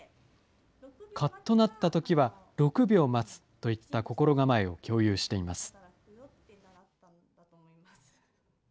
かっとなったときは、６秒待つといった心構えを共有しています。